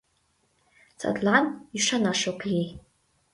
Садлан ӱшанаш ок лий.